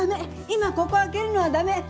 今ここを開けるのは駄目！